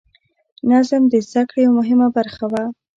نظم د زده کړې یوه مهمه برخه وه.